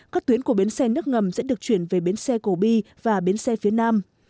các tuyến của bến xe nước ngầm sẽ được chuyển về bến xe cổ bi và bến xe phía nam